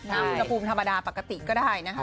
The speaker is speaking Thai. น้ำระบูมธรรมดาปกติก็ได้นะคะ